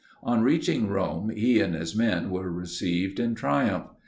On reaching Rome, he and his men were received in triumph.